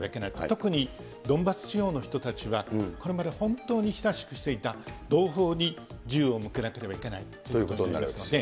特にドンバス地方の人たちは、これまで本当に親しくしていた同胞に銃を向けなければいけないということになりますね。